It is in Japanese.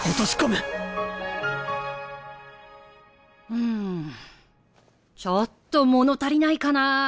うんちょっと物足りないかな。